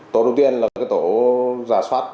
tổ đầu tiên là tổ giả soát